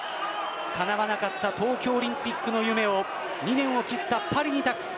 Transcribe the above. かなわなかった東京オリンピックの夢を２年を切ったパリに託す。